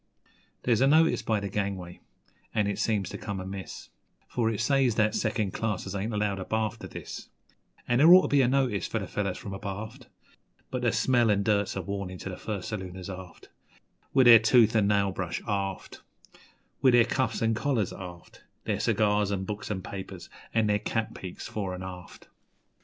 There's a notice by the gangway, an' it seems to come amiss, For it says that second classers 'ain't allowed abaft o' this'; An' there ought to be a notice for the fellows from abaft But the smell an' dirt's a warnin' to the first salooners, aft; With their tooth and nail brush, aft, With their cuffs 'n' collars, aft Their cigars an' books an' papers, an' their cap peaks fore 'n' aft.